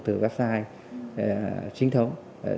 từ website chính thống